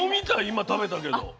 今食べたけど。